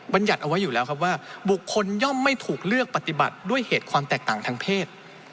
ยัติเอาไว้อยู่แล้วครับว่าบุคคลย่อมไม่ถูกเลือกปฏิบัติด้วยเหตุความแตกต่างทางเพศ